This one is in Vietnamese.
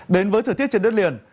đến với thời tiết trên đất liền